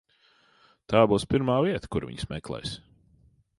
Tā būs pirmā vieta, kur viņus meklēs.